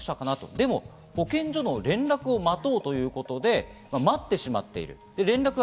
でも保健所の連絡を待とうということで待ってしまっている。